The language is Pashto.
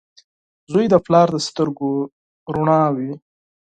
• زوی د پلار د سترګو رڼا وي.